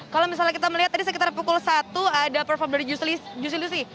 kalau misalnya kita melihat tadi sekitar pukul satu ada perform dari justin lucy